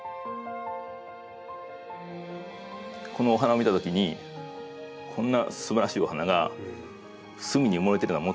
このお花を見たときにこんなすばらしいお花が隅に埋もれてるのはもったいないと。